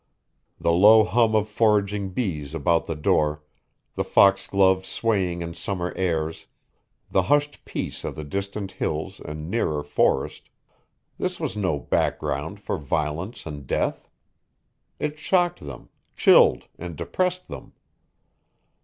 The low hum of foraging bees about the door, the foxglove swaying in summer airs, the hushed peace of the distant hills and nearer forest, this was no background for violence and death. It shocked them, chilled and depressed them.